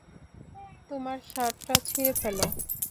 তোমার শার্টটা ছিঁড়ে ফেলো!